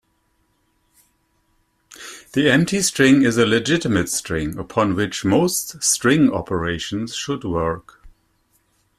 The empty string is a legitimate string, upon which most string operations should work.